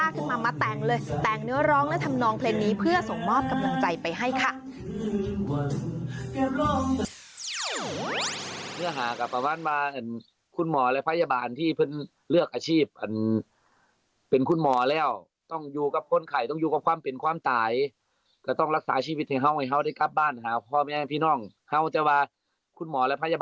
ก็เลยหยิบกีต้าขึ้นมามาแต่งเลย